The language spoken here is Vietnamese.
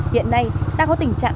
hiện nay đang có tình trạng